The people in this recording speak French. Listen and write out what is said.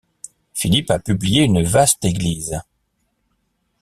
Philippe a publié une vaste Église.